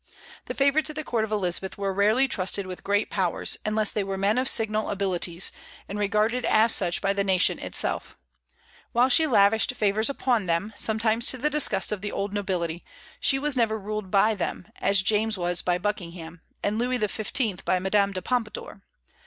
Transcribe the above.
The favorites at the court of Elizabeth were rarely trusted with great powers unless they were men of signal abilities, and regarded as such by the nation itself. While she lavished favors upon them, sometimes to the disgust of the old nobility, she was never ruled by them, as James was by Buckingham, and Louis XV. by Madame de Pompadour.